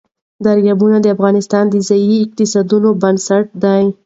دریابونه د افغانستان د ځایي اقتصادونو بنسټ دی.